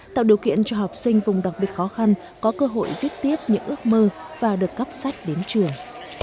tạo điều kiện cho học sinh vùng đặc biệt khó khăn có cơ hội viết tiếp những ước mơ và được cắp sách đến trường